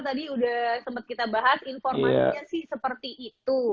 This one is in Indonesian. tadi udah sempat kita bahas informasinya sih seperti itu